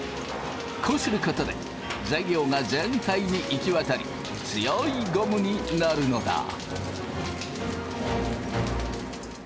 こうすることで材料が全体に行き渡り強いゴムになるのだ。